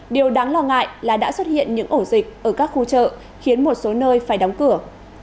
điều đáng lo ngại là đã xuất hiện những ổ dịch ở các khu chợ khiến một số nơi phải đóng cửa